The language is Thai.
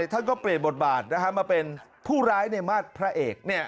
ท่านก็เปลี่ยนบทบาทมาเป็นผู้ร้ายในมาตรพระเอก